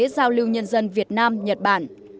giao lưu nhân dân việt nam nhật bản